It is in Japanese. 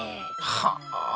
はあ。